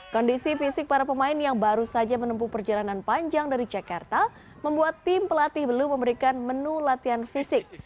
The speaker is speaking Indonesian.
kondisi fisik para pemain yang baru saja menempuh perjalanan panjang dari jakarta membuat tim pelatih belum memberikan menu latihan fisik